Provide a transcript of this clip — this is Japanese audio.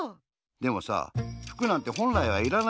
でもさ服なんてほんらいはいらないのよ。